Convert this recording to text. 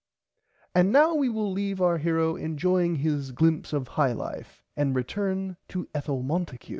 And now we will leave our hero enjoying his glimpse of high life and return to Ethel Monticue.